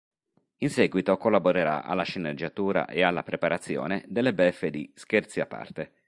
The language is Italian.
In seguito collaborerà alla sceneggiatura e alla preparazione delle beffe di "Scherzi a parte".